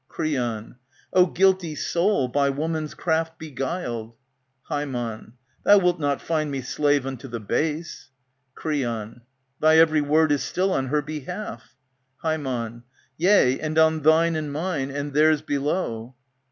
Creon, O guilty soul, by woman's craft beguiled ! Ham, Thou wilt not find me slave unto the base. Creon, Thy every word is still on her behalf Ham, Yea, and on thine and mine, and Theirs below.